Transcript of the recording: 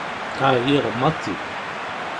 Ԑyiɣ maḍi.